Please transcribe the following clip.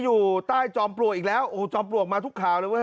อยู่ใต้จอมปลวกอีกแล้วโอ้จอมปลวกมาทุกข่าวเลยเว้